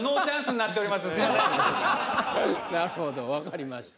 なるほど分かりました。